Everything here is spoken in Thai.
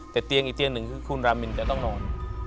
แต่เตียงอีกเตียงหนึ่งคือคุณรามินจะต้องนอน